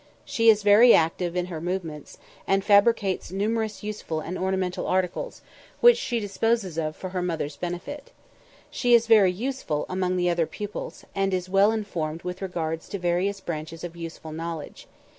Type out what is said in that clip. She is very active in her movements, and fabricates numerous useful and ornamental articles, which she disposes of for her mother's benefit. She is very useful among the other pupils, and is well informed with regard to various branches of useful knowledge.